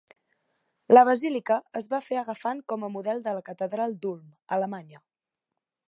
La basílica es va fer agafant com a model la catedral d'Ulm, a Alemanya.